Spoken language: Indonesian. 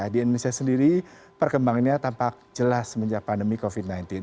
di indonesia sendiri perkembangannya tampak jelas semenjak pandemi covid sembilan belas